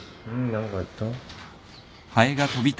何か言った？